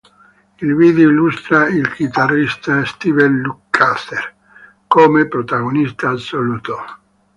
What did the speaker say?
Il video illustra il chitarrista Steve Lukather come protagonista assoluto.